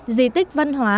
di tích văn hóa